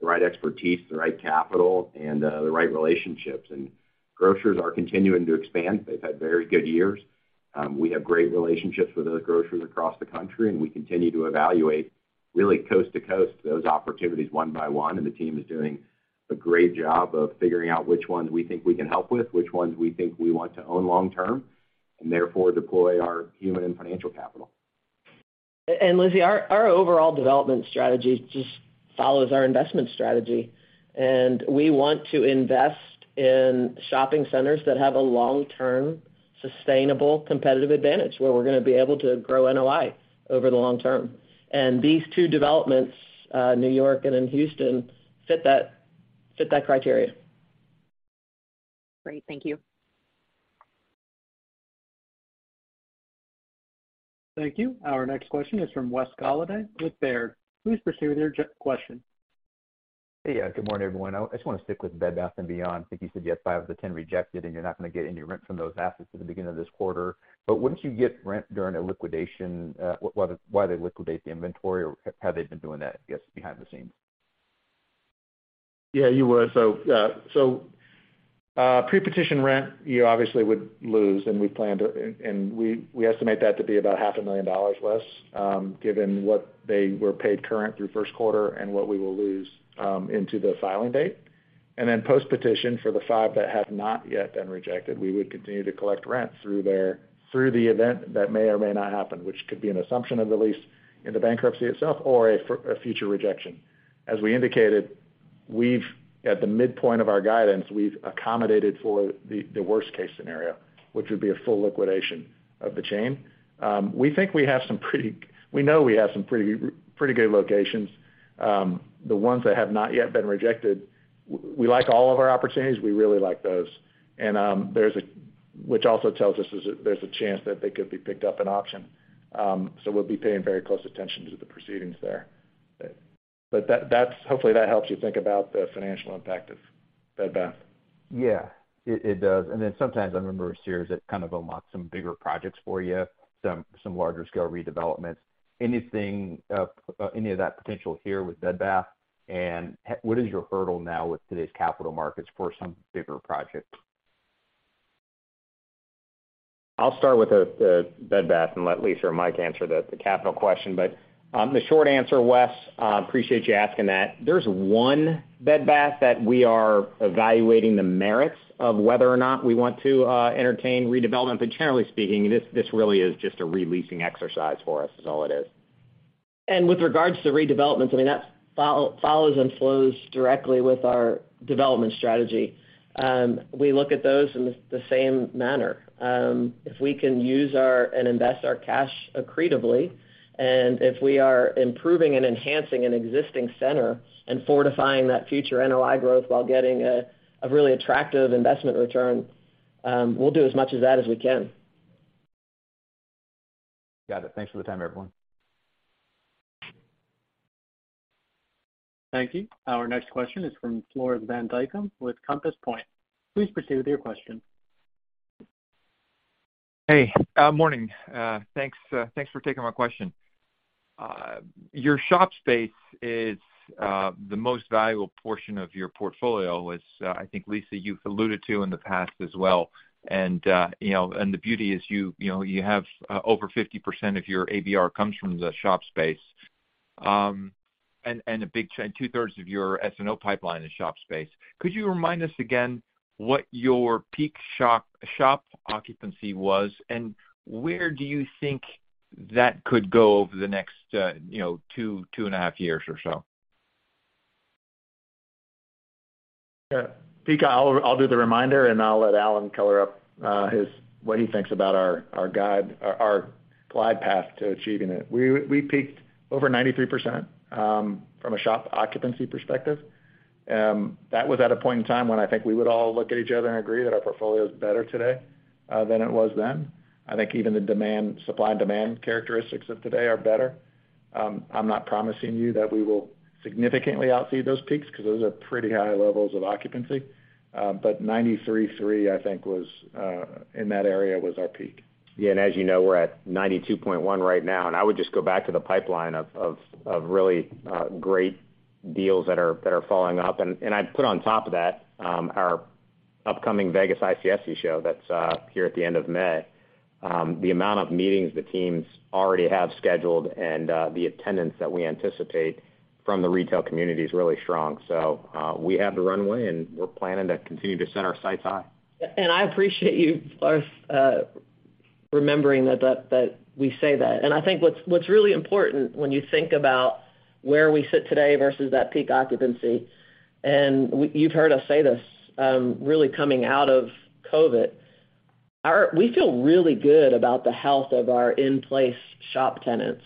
the right expertise, the right capital, and the right relationships. Grocers are continuing to expand. They've had very good years. We have great relationships with other grocers across the country, and we continue to evaluate really coast to coast those opportunities one by one. The team is doing a great job of figuring out which ones we think we can help with, which ones we think we want to own long term, and therefore deploy our human and financial capital. Lizzy, our overall development strategy just follows our investment strategy. We want to invest in shopping centers that have a long-term, sustainable, competitive advantage, where we're gonna be able to grow NOI over the long term. These two developments, New York and in Houston, fit that criteria. Great. Thank you. Thank you. Our next question is from Wes Golladay with Baird. Please proceed with your question. Hey. Good morning, everyone. I just wanna stick with Bed Bath & Beyond. I think you said you had 5 of the 10 rejected and you're not gonna get any rent from those assets at the beginning of this quarter. Wouldn't you get rent during a liquidation, while they liquidate the inventory, or have they been doing that, I guess, behind the scenes? Yeah, you would. Yeah, so, pre-petition rent, you obviously would lose and we plan to. We estimate that to be about half a million dollars less, given what they were paid current through Q1 and what we will lose, into the filing date. Then post-petition for the five that have not yet been rejected, we would continue to collect rent through the event that may or may not happen, which could be an assumption of the lease in the bankruptcy itself or a future rejection. As we indicated, we've at the midpoint of our guidance, we've accommodated for the worst case scenario, which would be a full liquidation of the chain. We think we have some pretty. We know we have some pretty good locations. The ones that have not yet been rejected, we like all of our opportunities, we really like those. Which also tells us there's a chance that they could be picked up in auction. We'll be paying very close attention to the proceedings there. That's hopefully, that helps you think about the financial impact of Bed Bath. Yeah, it does. Then sometimes I remember Sears had kind of unlocked some bigger projects for you, some larger scale redevelopments. Anything, any of that potential here with Bed Bath? What is your hurdle now with today's capital markets for some bigger projects? I'll start with the Bed Bath and let Lisa or Mike answer the capital question. The short answer, Wes, appreciate you asking that. There's 1 Bed Bath that we are evaluating the merits of whether or not we want to entertain redevelopment. Generally speaking, this really is just a re-leasing exercise for us, is all it is. With regards to redevelopments, that follows and flows directly with our development strategy. We look at those in the same manner. If we can use and invest our cash accretively, and if we are improving and enhancing an existing center and fortifying that future NOI growth while getting a really attractive investment return, we'll do as much of that as we can. Got it. Thanks for the time, everyone. Thank you. Our next question is from Floris van Dijkum with Compass Point. Please proceed with your question. Morning. Thanks for taking my question. Your shop space is the most valuable portion of your portfolio, as I think, Lisa, you've alluded to in the past as well. The beauty is you know, you have over 50% of your ABR comes from the shop space. And a big two-thirds of your SNO pipeline is shop space. Could you remind us again what your peak shop occupancy was, and where do you think that could go over the next, you know, two and a half years or so? Yeah. Peak, I'll do the reminder, and I'll let Alan color up what he thinks about our guide, our glide path to achieving it. We peaked over 93% from a shop occupancy perspective. That was at a point in time when I think we would all look at each other and agree that our portfolio is better today than it was then. I think even the supply and demand characteristics of today are better. I'm not promising you that we will significantly exceed those peaks because those are pretty high levels of occupancy. 93.3, I think was in that area was our peak. Yeah, as you know, we're at 92.1% right now, and I would just go back to the pipeline of really great deals that are following up. I'd put on top of that, our upcoming Vegas ICSC show that's here at the end of May. The amount of meetings the teams already have scheduled and the attendance that we anticipate from the retail community is really strong. We have the runway, and we're planning to continue to set our sights high. I appreciate you, Floris, remembering that we say that. I think what's really important when you think about where we sit today versus that peak occupancy, you've heard us say this, really coming out of COVID, we feel really good about the health of our in-place shop tenants.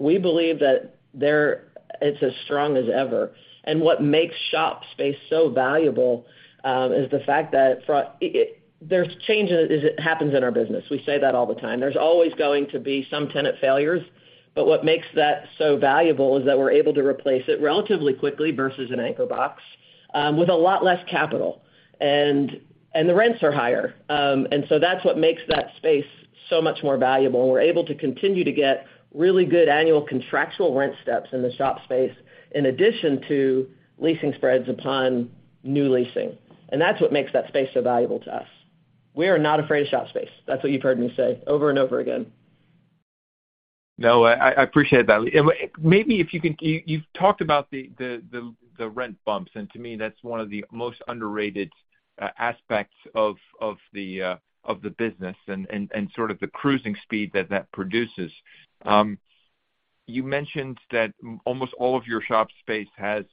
We believe that it's as strong as ever. What makes shop space so valuable is the fact that there's changes as it happens in our business. We say that all the time. There's always going to be some tenant failures. What makes that so valuable is that we're able to replace it relatively quickly versus an anchor box, with a lot less capital. The rents are higher. That's what makes that space so much more valuable, and we're able to continue to get really good annual contractual rent steps in the shop space in addition to leasing spreads upon new leasing. That's what makes that space so valuable to us. We are not afraid of shop space. That's what you've heard me say over and over again. No, I appreciate that. Maybe if you can. You've talked about the rent bumps, and to me, that's one of the most underrated aspects of the business and sort of the cruising speed that produces. You mentioned that almost all of your shop space has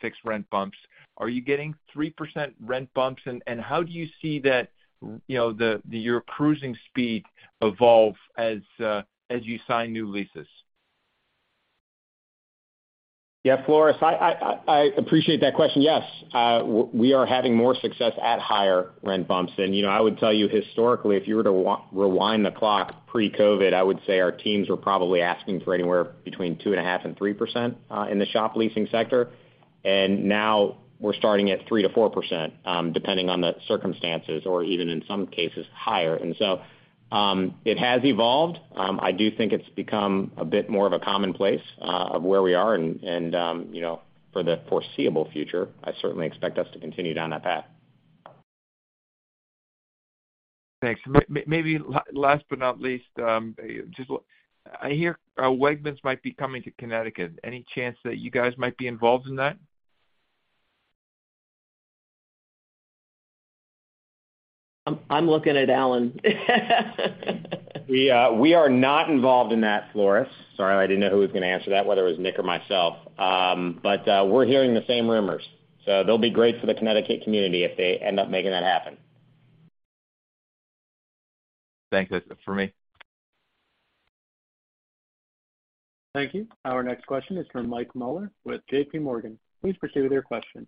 fixed rent bumps. Are you getting 3% rent bumps? How do you see that, you know, your cruising speed evolve as you sign new leases? Floris, I appreciate that question. Yes, we are having more success at higher rent bumps. You know, I would tell you historically, if you were to rewind the clock pre-COVID, I would say our teams were probably asking for anywhere between 2.5% and 3% in the shop leasing sector. Now we're starting at 3%-4%, depending on the circumstances or even in some cases higher. It has evolved. I do think it's become a bit more of a commonplace of where we are. You know, for the foreseeable future, I certainly expect us to continue down that path. Thanks. Maybe last but not least, I hear Wegmans might be coming to Connecticut. Any chance that you guys might be involved in that? I'm looking at Alan. We are not involved in that, Floris. Sorry, I didn't know who was gonna answer that, whether it was Nick or myself. We're hearing the same rumors. That'll be great for the Connecticut community if they end up making that happen. Thanks. That's for me. Thank you. Our next question is from Michael Mueller with JP Morgan. Please proceed with your question.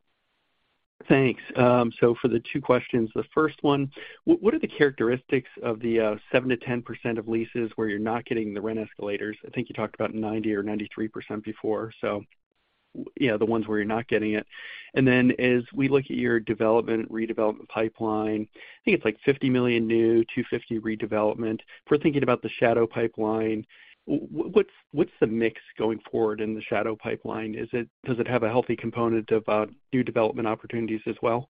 Thanks. For the two questions, the first one, what are the characteristics of the 7%-10% of leases where you're not getting the rent escalators? I think you talked about 90% or 93% before. You know, the ones where you're not getting it. As we look at your development, redevelopment pipeline, I think it's like $50 million new, $250 million redevelopment. If we're thinking about the shadow pipeline, what's the mix going forward in the shadow pipeline? Does it have a healthy component of new development opportunities as well?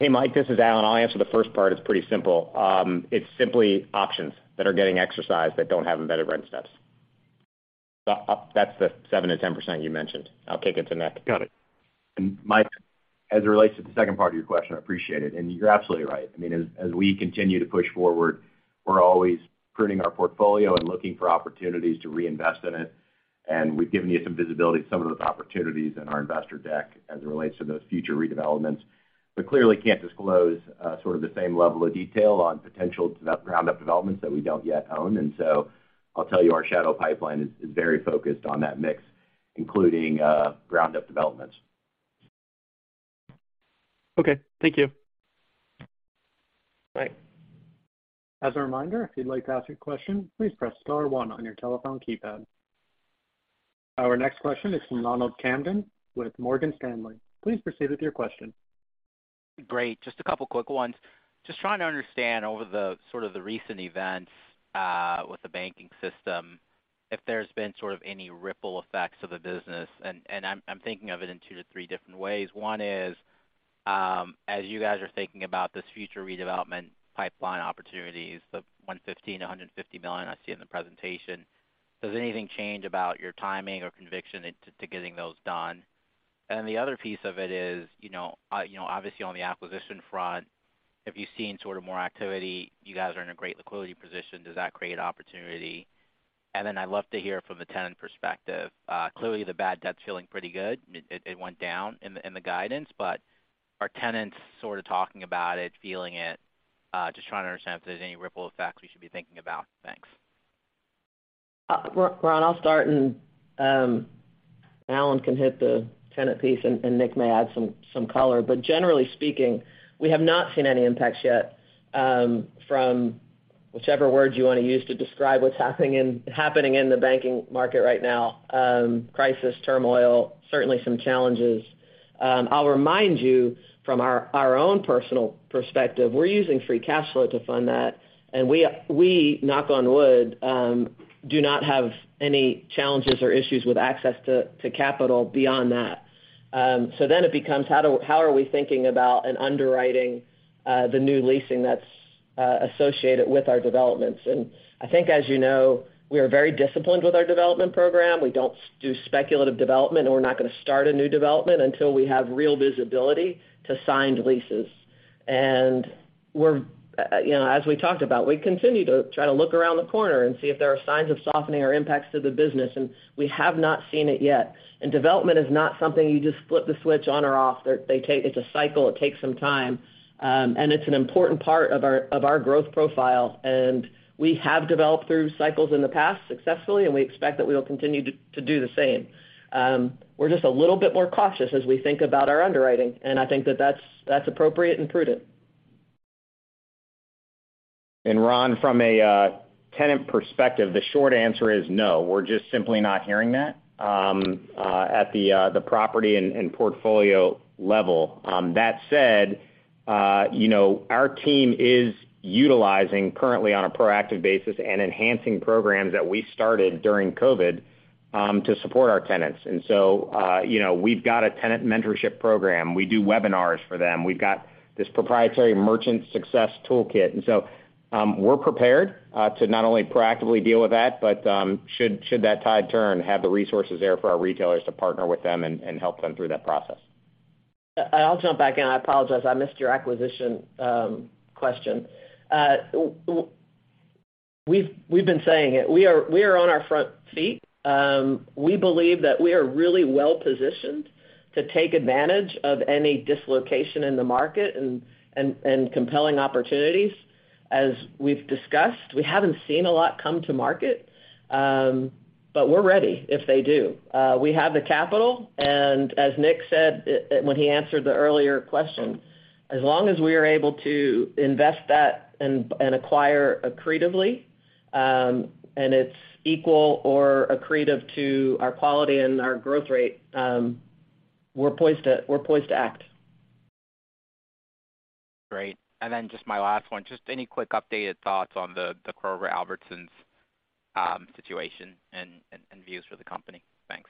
Hey, Mike, this is Alan. I'll answer the first part. It's pretty simple. It's simply options that are getting exercised that don't have embedded rent steps. That's the 7%-10% you mentioned. I'll kick it to Nick. Got it. Mike, as it relates to the second part of your question, I appreciate it, and you're absolutely right. I mean, as we continue to push forward, we're always pruning our portfolio and looking for opportunities to reinvest in it. We've given you some visibility to some of those opportunities in our investor deck as it relates to those future redevelopments. Clearly can't disclose, sort of the same level of detail on potential ground-up developments that we don't yet own. I'll tell you, our shadow pipeline is very focused on that mix, including ground-up developments. Okay. Thank you. Bye. As a reminder, if you'd like to ask a question, please press star one on your telephone keypad. Our next question is from Ronald Kamdem with Morgan Stanley. Please proceed with your question. Great. Just a couple quick ones. Just trying to understand over the sort of the recent events with the banking system, if there's been sort of any ripple effects of the business, and I'm thinking of it in two to three different ways. One is, as you guys are thinking about this future redevelopment pipeline opportunities, the $115-$150 million I see in the presentation, does anything change about your timing or conviction in to getting those done? The other piece of it is, you know, you know, obviously on the acquisition front, have you seen sort of more activity? You guys are in a great liquidity position. Does that create opportunity? I'd love to hear from the tenant perspective. Clearly, the bad debt's feeling pretty good. It went down in the guidance, are tenants sort of talking about it, feeling it? Just trying to understand if there's any ripple effects we should be thinking about. Thanks. Ron, I'll start, and Alan can hit the tenant piece, and Nick may add some color. Generally speaking, we have not seen any impacts yet from whichever word you wanna use to describe what's happening in the banking market right now, crisis, turmoil, certainly some challenges. I'll remind you from our own personal perspective, we're using free cash flow to fund that, and we, knock on wood, do not have any challenges or issues with access to capital beyond that. It becomes how are we thinking about and underwriting the new leasing that's associated with our developments. I think, as you know, we are very disciplined with our development program. We don't do speculative development, and we're not gonna start a new development until we have real visibility to signed leases. We're, you know, as we talked about, we continue to try to look around the corner and see if there are signs of softening or impacts to the business, and we have not seen it yet. Development is not something you just flip the switch on or off. They take it's a cycle. It takes some time. It's an important part of our, of our growth profile, and we have developed through cycles in the past successfully, and we expect that we will continue to do the same. We're just a little bit more cautious as we think about our underwriting, I think that that's appropriate and prudent. Ron, from a tenant perspective, the short answer is no. We're just simply not hearing that at the property and portfolio level. That said, you know, our team is utilizing currently on a proactive basis and enhancing programs that we started during COVID to support our tenants. We've got a tenant mentorship program. We do webinars for them. We've got this proprietary merchant success toolkit. We're prepared to not only proactively deal with that, but should that tide turn, have the resources there for our retailers to partner with them and help them through that process. I'll jump back in. I apologize. I missed your acquisition question. We've been saying it. We are on our front feet. We believe that we are really well positioned to take advantage of any dislocation in the market and compelling opportunities. As we've discussed, we haven't seen a lot come to market, but we're ready if they do. We have the capital, and as Nick said, when he answered the earlier question, as long as we are able to invest that and acquire accretively, and it's equal or accretive to our quality and our growth rate, we're poised to act. Great. Just my last one, just any quick updated thoughts on the Kroger-Albertsons situation and views for the company. Thanks.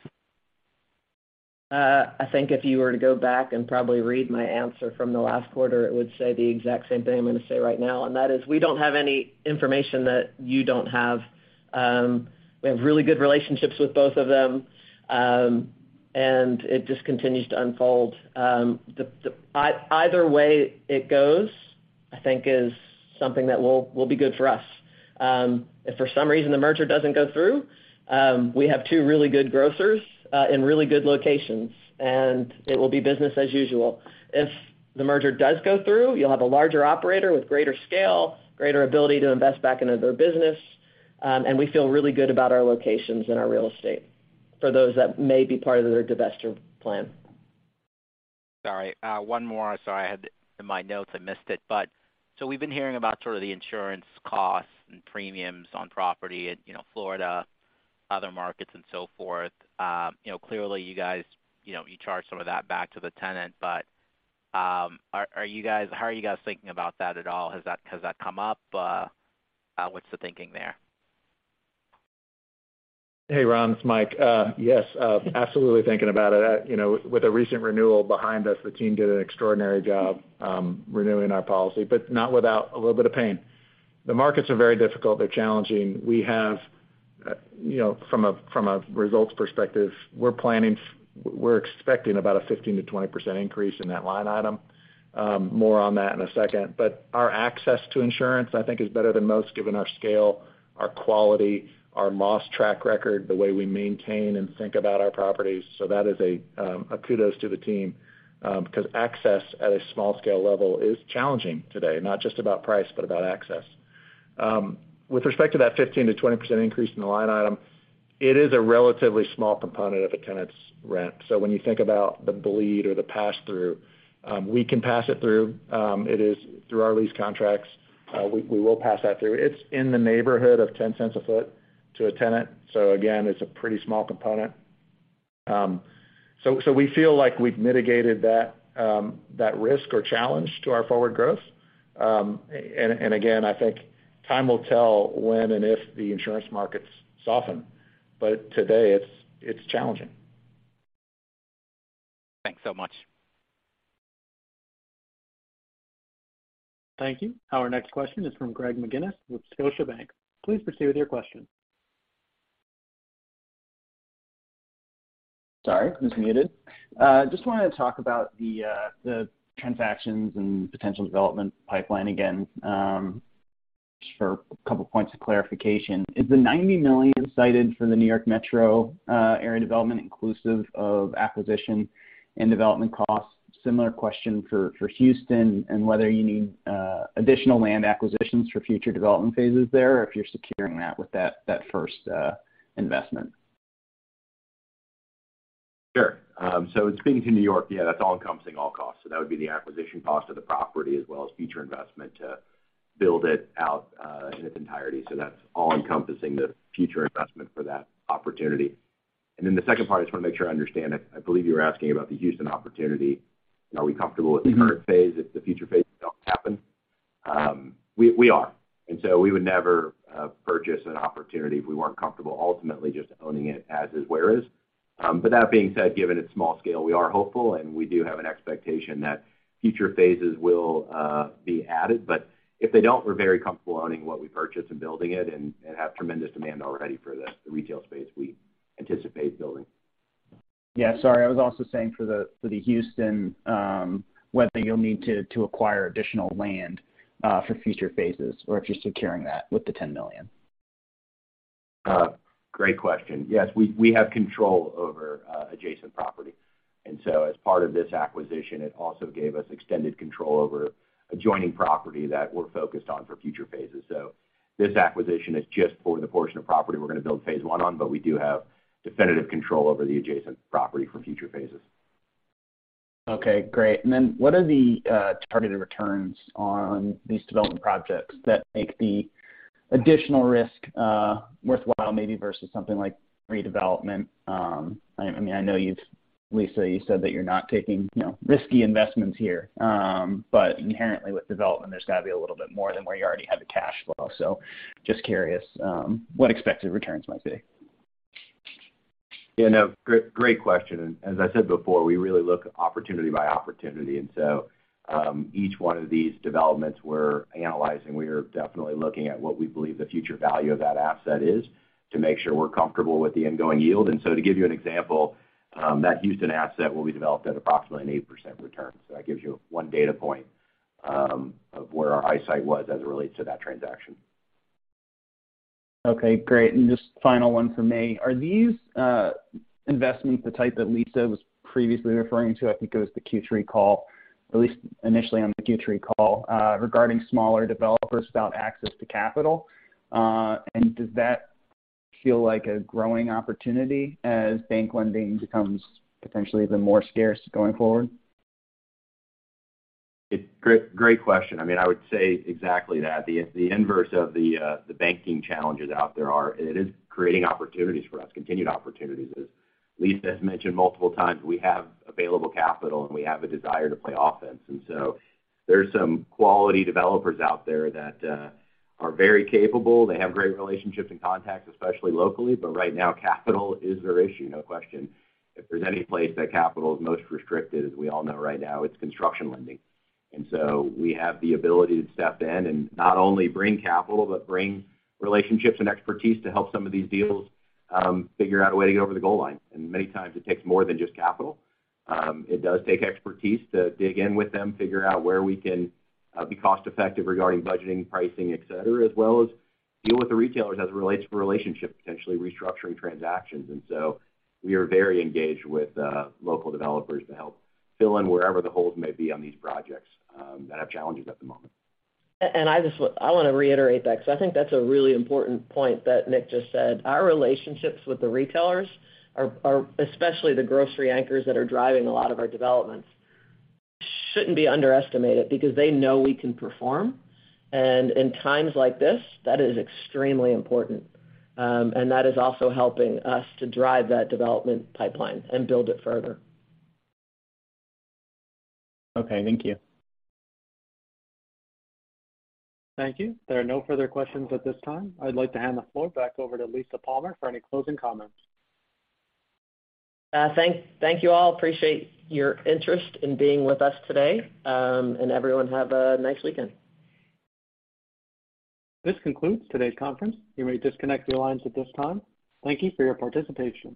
I think if you were to go back and probably read my answer from the last quarter, it would say the exact same thing I'm gonna say right now. That is we don't have any information that you don't have. We have really good relationships with both of them. It just continues to unfold. Either way it goes, I think is something that will be good for us. If for some reason the merger doesn't go through, we have two really good grocers, and really good locations, and it will be business as usual. If the merger does go through, you'll have a larger operator with greater scale, greater ability to invest back into their business. We feel really good about our locations and our real estate for those that may be part of their divesture plan. Sorry, one more. Sorry, I had in my notes, I missed it. We've been hearing about sort of the insurance costs and premiums on property in, you know, Florida, other markets and so forth. You know, clearly, you guys, you know, you charge some of that back to the tenant. How are you guys thinking about that at all? Has that come up? What's the thinking there? Hey, Ron, it's Mike. Yes, absolutely thinking about it. You know, with the recent renewal behind us, the team did an extraordinary job renewing our policy, but not without a little bit of pain. The markets are very difficult. They're challenging. We have, you know, from a results perspective, we're expecting about a 15%-20% increase in that line item. More on that in a second. Our access to insurance, I think, is better than most given our scale, our quality, our loss track record, the way we maintain and think about our properties. That is a kudos to the team 'cause access at a small scale level is challenging today, not just about price, but about access. With respect to that 15%-20% increase in the line item, it is a relatively small component of a tenant's rent. When you think about the bleed or the pass-through, we can pass it through. It is through our lease contracts. We will pass that through. It's in the neighborhood of $0.10 a foot to a tenant. Again, it's a pretty small component. So we feel like we've mitigated that risk or challenge to our forward growth. And again, I think time will tell when and if the insurance markets soften. Today it's challenging. Thanks so much. Thank you. Our next question is from Greg McGinniss with Scotiabank. Please proceed with your question. Sorry, it was muted. Just wanted to talk about the transactions and potential development pipeline again, just for a couple points of clarification. Is the $90 million cited for the New York Metro area development inclusive of acquisition and development costs? Similar question for Houston and whether you need additional land acquisitions for future development phases there, or if you're securing that with that first investment. Sure. Speaking to New York, yeah, that's all-encompassing all costs. That would be the acquisition cost of the property as well as future investment to build it out in its entirety. That's all encompassing the future investment for that opportunity. The second part, I just wanna make sure I understand it. I believe you were asking about the Houston opportunity and are we comfortable with the current phase if the future phase don't happen? We are. We would never purchase an opportunity if we weren't comfortable ultimately just owning it as is, where is. That being said, given its small scale, we are hopeful, and we do have an expectation that future phases will be added. If they don't, we're very comfortable owning what we purchase and building it and have tremendous demand already for the retail space we anticipate building. Yeah, sorry. I was also saying for the Houston, whether you'll need to acquire additional land for future phases, or if you're securing that with the $10 million. Great question. Yes, we have control over adjacent property. As part of this acquisition, it also gave us extended control over adjoining property that we're focused on for future phases. This acquisition is just for the portion of property we're gonna build phase 1 on. We do have definitive control over the adjacent property for future phases. Okay, great. What are the targeted returns on these development projects that make the additional risk worthwhile maybe versus something like redevelopment? I mean, I know Lisa, you said that you're not taking, you know, risky investments here. Inherently with development, there's gonna be a little bit more than where you already have the cash flow. Just curious what expected returns might be. Yeah, no, great question. As I said before, we really look opportunity by opportunity. Each one of these developments we're analyzing, we are definitely looking at what we believe the future value of that asset is to make sure we're comfortable with the ongoing yield. To give you an example, that Houston asset will be developed at approximately an 8% return. That gives you one data point, of where our eyesight was as it relates to that transaction. Okay, great. Just final one from me. Are these investments the type that Lisa was previously referring to, I think it was the Q3 call, at least initially on the Q3 call, regarding smaller developers about access to capital? Does that feel like a growing opportunity as bank lending becomes potentially even more scarce going forward? Great question. I mean, I would say exactly that. The inverse of the banking challenges out there are it is creating opportunities for us, continued opportunities. As Lisa has mentioned multiple times, we have available capital, and we have a desire to play offense. There's some quality developers out there that are very capable. They have great relationships and contacts, especially locally, but right now capital is their issue, no question. If there's any place that capital is most restricted, as we all know right now, it's construction lending. We have the ability to step in and not only bring capital, but bring relationships and expertise to help some of these deals figure out a way to get over the goal line. Many times it takes more than just capital. It does take expertise to dig in with them, figure out where we can be cost-effective regarding budgeting, pricing, et cetera, as well as deal with the retailers as it relates to relationship, potentially restructuring transactions. We are very engaged with local developers to help fill in wherever the holes may be on these projects that have challenges at the moment. I just I wanna reiterate that 'cause I think that's a really important point that Nick just said. Our relationships with the retailers are especially the grocery anchors that are driving a lot of our developments, shouldn't be underestimated because they know we can perform. In times like this, that is extremely important. That is also helping us to drive that development pipeline and build it further. Okay, thank you. Thank you. There are no further questions at this time. I'd like to hand the floor back over to Lisa Palmer for any closing comments. thank you all. Appreciate your interest in being with us today. everyone have a nice weekend. This concludes today's conference. You may disconnect your lines at this time. Thank you for your participation.